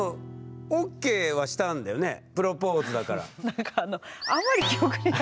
でもプロポーズだから。